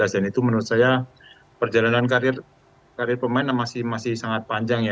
dan itu menurut saya perjalanan karir pemain masih sangat panjang ya